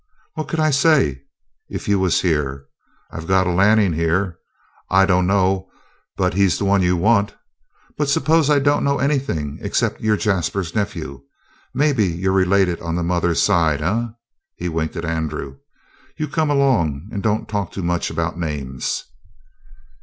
What could I say, if you was here? 'I've got a Lanning here. I dunno but he's the one you want.' But suppose I don't know anything except you're Jasper's nephew? Maybe you're related on the mother's side. Eh?" He winked at Andrew. "You come along and don't talk too much about names."